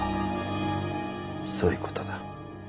そういう事だ。